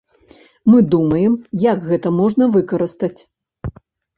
Мы думаем, як гэта можна выкарыстаць.